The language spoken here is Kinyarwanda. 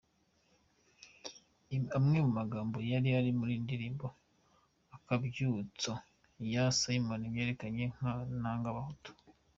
Amwe mu magambo yari ari mu ndirimbo "Akabyutso" ya Simon yamenyekanye nka "Nanga Abahutu".